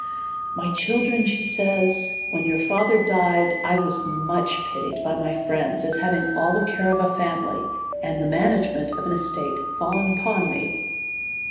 My children, says she, when your father died, I was much pitied by my friends, as having all the care of a family, and the management of an estate fallen upon me.